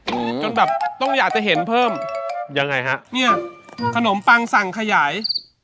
จนแบบต้องอยากจะเห็นเพิ่มยังไงฮะเนี้ยขนมปังสั่งขยาย